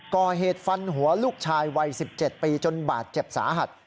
ก่อเหตุฟันหัวลูกชายวัย๑๗ปีจนบาดเจ็บสาหัส